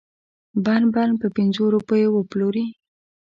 بند بند په پنځو روپو وپلوري.